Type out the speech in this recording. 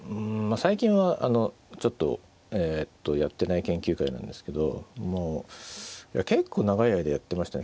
最近はちょっとやってない研究会なんですけどもう結構長い間やってましたね。